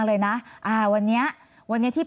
หรือว่าเราไปลองให้ท่านมาช่วยดูคดีเฉยค่ะ